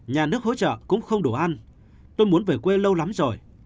nhà nước hỗ trợ cũng không đủ ăn tôi muốn về quê lâu lắm rồi